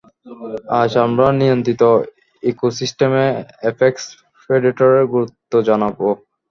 আজ, আমরা নিয়ন্ত্রিত ইকোসিস্টেমে এপেক্স প্রেডেটরের গুরুত্ব জানব।